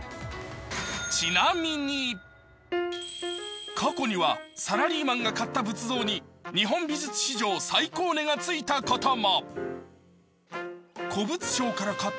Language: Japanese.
ちなみに、過去にはサラリーマンが買った仏像に日本美術史上最高値がついたことも。